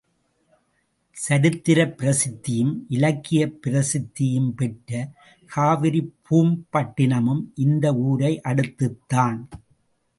சரித்திரப் பிரசித்தியும், இலக்கியப் பிரசித்தியும் பெற்ற காவிரிப்பூம்பட்டினமும் இந்த ஊரை அடுத்ததுதான்.